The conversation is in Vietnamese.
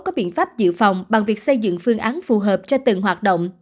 có biện pháp dự phòng bằng việc xây dựng phương án phù hợp cho từng hoạt động